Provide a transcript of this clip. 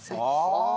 ああ！